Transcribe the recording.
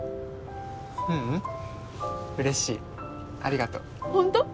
ううん嬉しいありがとうホント？